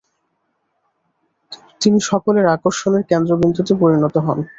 তিনি সকলের আকর্ষণের কেন্দ্রবিন্দুতে পরিণত হন।